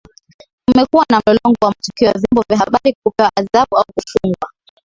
Kumekuwa na mlolongo wa matukio ya vyombo vya habari kupewa adhabu au kufungiwa